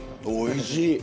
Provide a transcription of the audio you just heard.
おいしい！